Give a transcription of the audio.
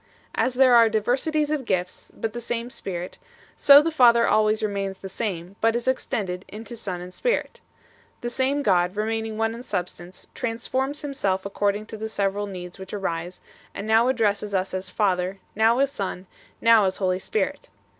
As there are diversities of gifts, but the same spirit, so the Father always remains the same, but is extended into Son and Spirit 3 . The same God, remaining One in substance, transforms Himself according to the several needs which arise, and now addresses us as Father, now as Son, now as Holy Spirit.